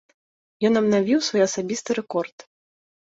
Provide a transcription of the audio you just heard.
Ён абнавіў свой асабісты рэкорд.